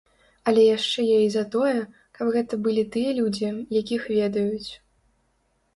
Але яшчэ я і за тое, каб гэта былі тыя людзі, якіх ведаюць.